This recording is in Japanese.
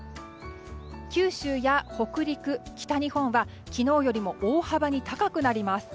九州や北陸、北日本は昨日よりも大幅に高くなります。